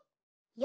よ